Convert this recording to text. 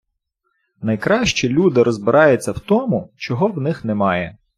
Найкраще люди розбираються в тому, чого в них немає.